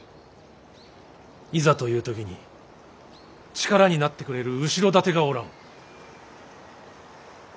いざという時に力になってくれる後ろ盾がおらん。